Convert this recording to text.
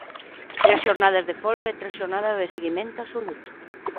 Tres xornadas de folga e tres xornadas de seguimento absoluto.